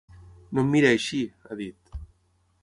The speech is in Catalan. No em miri així!, ha dit.